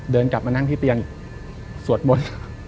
เดินกลับมานั่งที่เตียงสวดมนต์